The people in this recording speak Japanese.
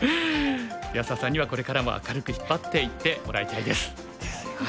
安田さんにはこれからも明るく引っ張っていってもらいたいです。